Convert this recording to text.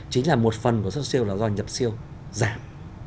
chính là một phần của xuất siêu là do nhập siêu giảm